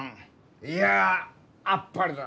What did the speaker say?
いやあっぱれだ！